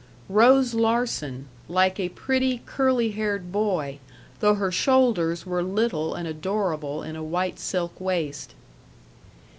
Rose Larsen, like a pretty, curly haired boy, though her shoulders were little and adorable in a white silk waist.